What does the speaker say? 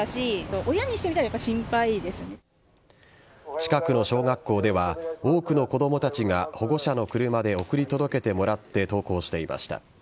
近くの小学校では多くの子供たちが保護者の車で送り届けてもらって登校していました。